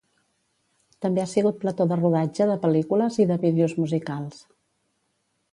També ha sigut plató de rodatge de pel·lícules i de vídeos musicals.